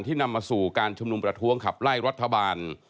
นำมาสู่การชุมนุมประท้วงขับไล่รัฐบาล